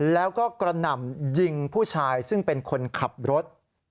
แล้วก็กระหน่ำยิงผู้ชายซึ่งเป็นคนขับรถ